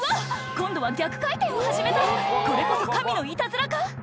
今度は逆回転を始めたこれこそ神のイタズラか？